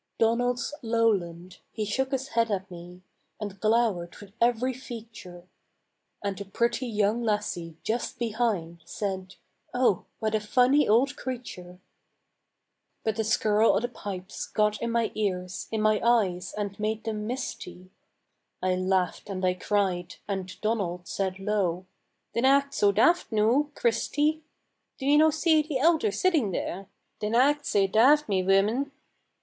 Donald's lowland, he shook his head at me, And glowered with every feature, And a pretty young lassie just behind Said: "Oh, what a funny old creature!" But the skirl o' the pipes got in my ears, In my eyes, and made them misty; I laughed and I cried, and Donald said low: "Dinna act so daft, noo, Christy!" "Do ye no see the elder sitting there? Dinna act sae daft, my wooman.